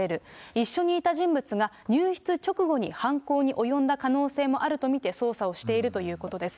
一緒にいた人物が入室直後に犯行に及んだ可能性もあると見て、捜査をしているということです。